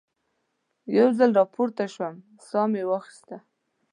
یو ځل را پورته شوم، ساه مې واخیسته.